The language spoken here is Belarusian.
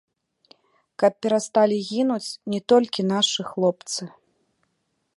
Каб перасталі гінуць не толькі нашы хлопцы.